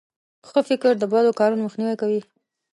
ښه فکر د بدو کارونو مخنیوی کوي.